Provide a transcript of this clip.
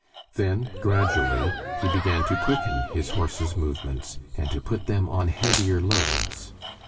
Then gradually he began to quicken his horses' movements and to put them on heavier loads.